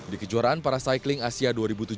di kejuaraan para cycling asia dua ribu tujuh belas